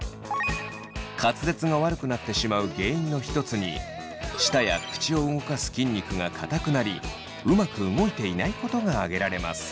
滑舌が悪くなってしまう原因の一つに舌や口を動かす筋肉が硬くなりうまく動いていないことが挙げられます。